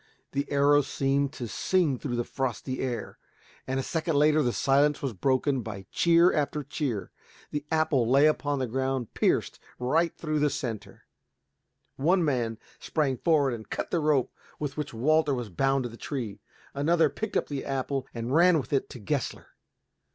The arrow seemed to sing through the frosty air, and, a second later, the silence was broken by cheer after cheer. The apple lay upon the ground pierced right through the center. One man sprang forward and cut the rope with which Walter was bound to the tree; another picked up the apple and ran with it to Gessler.